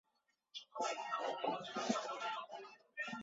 可观察出这种文法没有左递归。